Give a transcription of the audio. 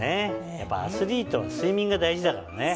やっぱアスリートは睡眠が大事だからね。